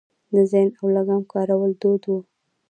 د زین او لګام کارول دود و